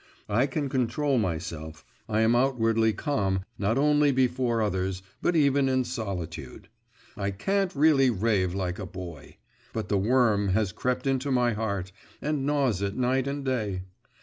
I can control myself, I am outwardly calm not only before others, but even in solitude. I can't really rave like a boy! But the worm has crept into my heart, and gnaws it night and day.